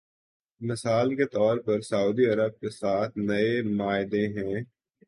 مثال کے طور پر سعودی عرب کے ساتھ نئے معاہدے ہیں۔